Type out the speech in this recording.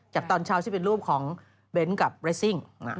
ตอนเช้าที่เป็นรูปของเบนท์กับเรสซิ่ง